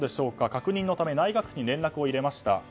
確認のため内閣府に連絡を入れました。